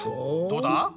どうだ？